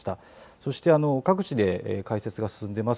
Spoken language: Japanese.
そして、各地で開設が進んでいます